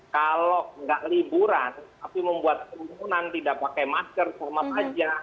kalau tidak liburan tapi membuat kerumunan tidak pakai masker sama saja